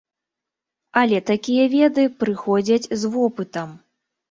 Але такія веды прыходзяць з вопытам.